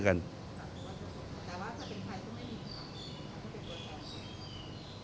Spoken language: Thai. แต่ว่าถ้าเป็นใครก็ไม่มีค่ะถ้าเป็นตัวชาติ